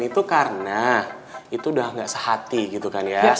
itu karena itu udah gak sehati gitu kan ya